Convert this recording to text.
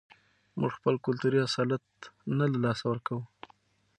موږ خپل کلتوري اصالت نه له لاسه ورکوو.